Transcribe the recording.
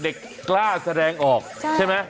กล้าแสดงออกใช่ไหม